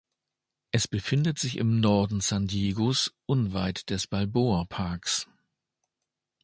Es befindet sich im Norden San Diegos unweit des Balboa Parks.